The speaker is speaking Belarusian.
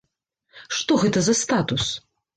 Што гэта за статус?